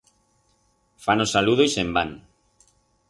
Fan o saludo y se'n van.